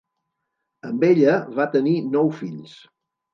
Amb ella va tenir nou fills.